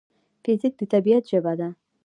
فزیک د طبیعت ژبه ده.